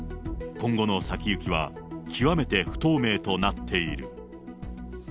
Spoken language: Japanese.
今後の先行きは、極めて不透明となっている。